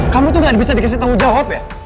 kamu tuh gak bisa dikasih tanggung jawab ya